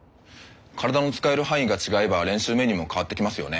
体の使える範囲が違えば練習メニューも変わってきますよね？